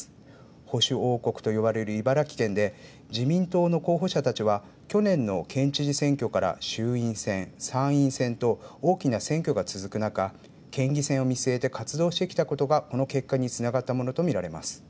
保守王国と言われる茨城県で自民党の候補者たちは去年の県知事選挙から衆院選、参院選と大きな選挙が続く中、県議選を見据えて活動してきたことがこの結果につながったものとみられます。